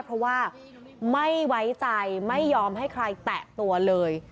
เพราะว่าไม่ไว้ใจไม่ยอมให้ใครแตะตัวเลย